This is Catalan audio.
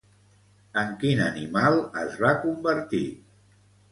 En quin animal es va convertir?